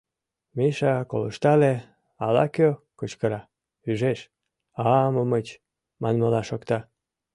Миша колыштале: ала-кӧ кычкыра, ӱжеш, «а-амыч!» манмыла шокта.